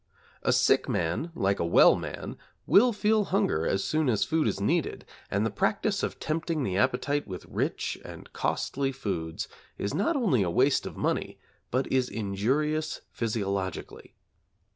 A sick man like a well man will feel hunger as soon as food is needed, and the practice of tempting the appetite with rich and costly foods is not only a waste of money but is injurious physiologically.